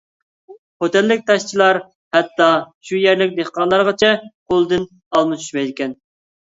خوتەنلىك تاشچىلار ھەتتا شۇ يەرلىك دېھقانلارغىچە قولىدىن ئالما چۈشمەيدىكەن.